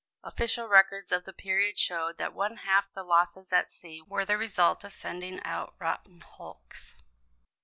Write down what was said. Official records of the period showed that one half the losses at sea were the result of sending out rotten hulks.